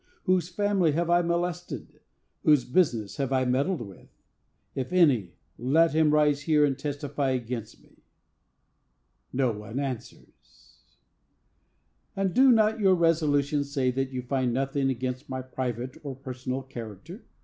Whose family have I molested? Whose business have I meddled with? If any, let him rise here and testify against me.—No one answers. "And do not your resolutions say that you find nothing against my private or personal character?